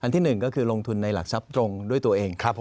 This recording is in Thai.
ที่๑ก็คือลงทุนในหลักทรัพย์ตรงด้วยตัวเอง